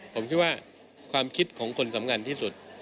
ผมคิดว่าความคิดของคนสำคัญที่สุด